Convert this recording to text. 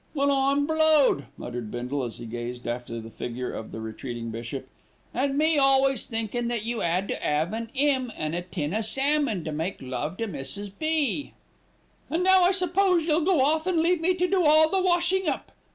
"Well, I'm blowed!" muttered Bindle as he gazed after the figure of the retreating bishop, "an' me always thinkin' that you 'ad to 'ave an 'ymn an' a tin o' salmon to make love to Mrs. B." "And now, I suppose, you'll go off and leave me to do all the washing up.